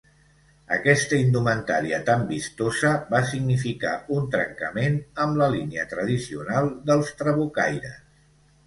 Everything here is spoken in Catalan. Aquesta indumentària tan vistosa va significar un trencament amb la línia tradicional dels trabucaires.